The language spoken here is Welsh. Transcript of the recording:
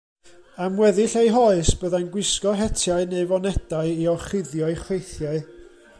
Am weddill ei hoes, byddai'n gwisgo hetiau neu fonedau i orchuddio'i chreithiau.